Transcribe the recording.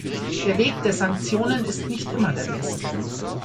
Der Weg der Sanktionen ist nicht immer der beste.